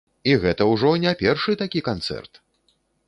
І гэта ўжо не першы такі канцэрт!